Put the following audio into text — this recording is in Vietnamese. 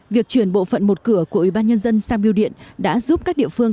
việc chuyển bộ phận một cửa của ubnd sang biêu điện đã giúp các địa phương